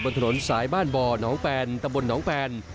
บนถนนสายบ้านบ่อน้องแปนตะบนหนองแปน